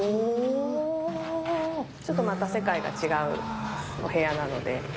チョットまた世界が違うお部屋なので。